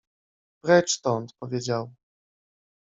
Precz stąd — powiedział.